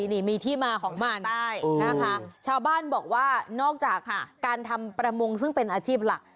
นี่มีที่มาของมันนะคะชาวบ้านบอกว่านอกจากการทำประมงซึ่งเป็นอาชีพหลัก